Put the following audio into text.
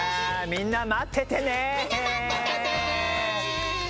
みんな待っててね！